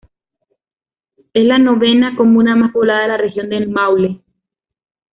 Es la novena comuna más poblada de la región del Maule.